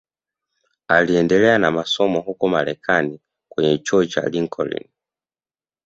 Aliendelea na masomo huko Marekani kwenye chuo cha Lincoln